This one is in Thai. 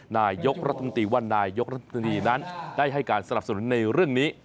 นายกรัฐมนตรีว่านายกรัฐมนตรีนั้นได้ให้การสนับสนุนในเรื่องนี้